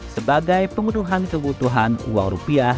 sebagai penguduhan kebutuhan uang rupiah